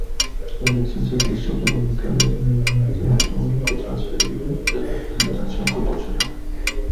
La elección se realizó por única vez mediante voto único transferible de representación proporcional.